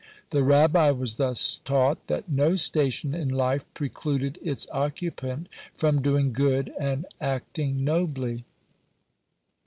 The Rabbi was thus taught that no station in life precluded its occupant from doing good and acting nobly.